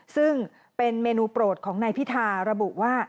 ซึ่งเป็นเมนูโปรดของนายพิธาระบุว่า